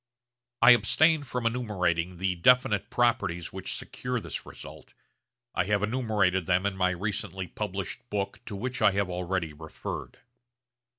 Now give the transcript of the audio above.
I abstain from enumerating the definite properties which secure this result, I have enumerated them in my recently published book to which I have already referred.